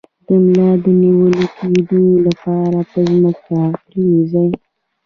د ملا د نیول کیدو لپاره په ځمکه پریوځئ